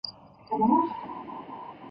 与连横往来密切。